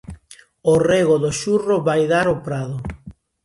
O rego do xurro vai dar ao prado.